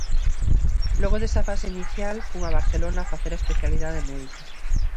Logo desa fase inicial fun a Barcelona facer a especialidade médica.